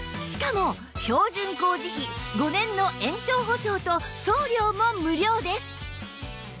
しかも標準工事費５年の延長保証と送料も無料です